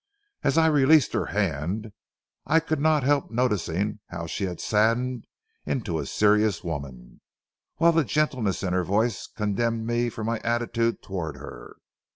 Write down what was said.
As I released her hand I could not help noticing how she had saddened into a serious woman, while the gentleness in her voice condemned me for my attitude toward her.